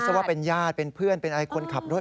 ว่าเป็นญาติเป็นเพื่อนเป็นอะไรคนขับรถ